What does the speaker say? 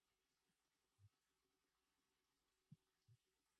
It is said that the papers were tied into bundles and sold by weight.